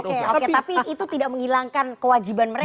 oke oke tapi itu tidak menghilangkan kewajiban mereka